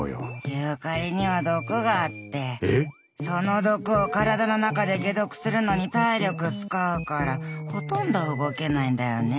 ユーカリには毒があってその毒を体の中で解毒するのに体力使うからほとんど動けないんだよね。